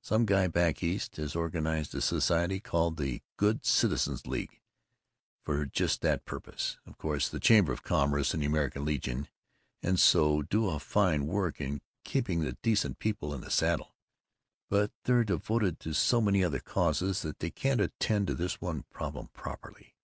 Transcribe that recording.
Some guy back East has organized a society called the Good Citizens' League for just that purpose. Of course the Chamber of Commerce and the American Legion and so on do a fine work in keeping the decent people in the saddle, but they're devoted to so many other causes that they can't attend to this one problem properly.